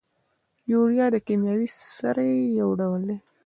یوریا د کیمیاوي سرې یو ډول دی.